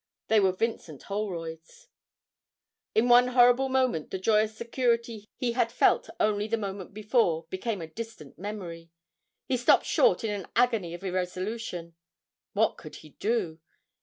They were Vincent Holroyd's! In one horrible moment the joyous security he had felt only the moment before became a distant memory. He stopped short in an agony of irresolution. What could he do?